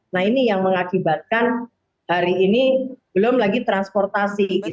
nah ini yang mengakibatkan hari ini belum lagi transportasi